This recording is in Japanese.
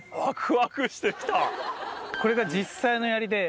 これが実際のやりで。